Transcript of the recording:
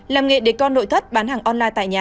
làm nghề để con nội thất bán hàng online tại nhà